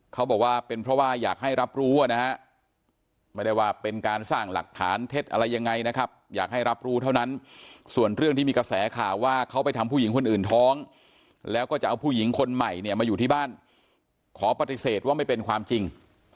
เขาบอกว่าเป็นเพราะว่าอยากให้รับรู้นะฮะไม่ได้ว่าเป็นการสร้างหลักฐานเท็จอะไรยังไงนะครับอยากให้รับรู้เท่านั้นส่วนเรื่องที่มีกระแสข่าวว่าเขาไปทำผู้หญิงคนอื่นท้องแล้วก็จะเอาผู้หญิงคนใหม่เนี่ยมาอยู่ที่บ้านขอปฏิเสธว่าไม่เป็นความจริง